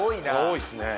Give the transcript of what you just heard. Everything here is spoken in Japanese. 多いですね。